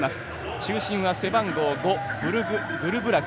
中心は背番号５グルブラク。